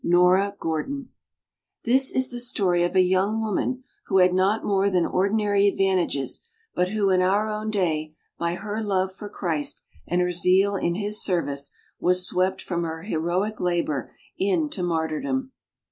NORA GORDON This is the story of a young woman who had not more than ordinary advantages, but who in our own day by her love for Christ and her zeal in his service was swept from her heroic labor into martyrdom.